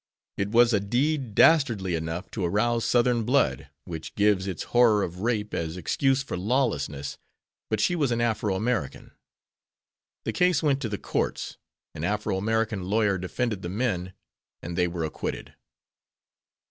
It was a deed dastardly enough to arouse Southern blood, which gives its horror of rape as excuse for lawlessness, but she was an Afro American. The case went to the courts, an Afro American lawyer defended the men and they were acquitted.